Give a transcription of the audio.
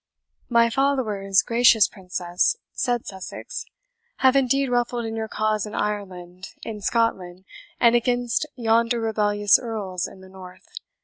"My followers, gracious Princess," said Sussex, "have indeed ruffled in your cause in Ireland, in Scotland, and against yonder rebellious Earls in the north.